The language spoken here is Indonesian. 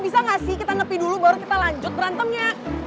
bisa nggak sih kita nyepi dulu baru kita lanjut berantemnya